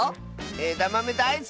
えだまめだいすきッス！